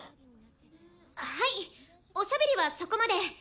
はいおしゃべりはそこまで！